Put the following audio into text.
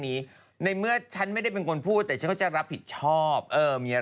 นี่มันอยู่ในนี่